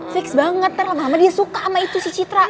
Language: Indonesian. fix banget terlalu lama dia suka sama itu si citra